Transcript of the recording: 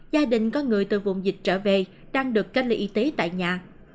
gia đình có người từ vùng dịch trở về đang được cách ly y tế tại nhà